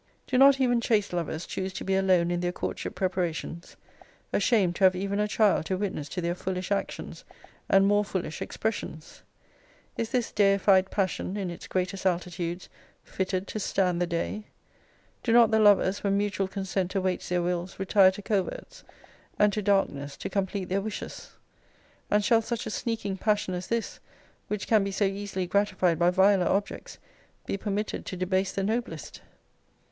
Do not even chaste lovers choose to be alone in their courtship preparations, ashamed to have even a child to witness to their foolish actions, and more foolish expressions? Is this deified passion, in its greatest altitudes, fitted to stand the day? Do not the lovers, when mutual consent awaits their wills, retire to coverts, and to darkness, to complete their wishes? And shall such a sneaking passion as this, which can be so easily gratified by viler objects, be permitted to debase the noblest?